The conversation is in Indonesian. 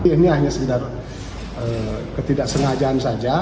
ini hanya sekedar ketidaksengajaan saja